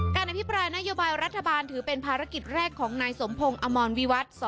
อภิปรายนโยบายรัฐบาลถือเป็นภารกิจแรกของนายสมพงศ์อมรวิวัตร